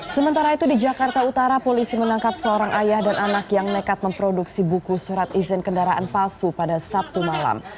sementara itu di jakarta utara polisi menangkap seorang ayah dan anak yang nekat memproduksi buku surat izin kendaraan palsu pada sabtu malam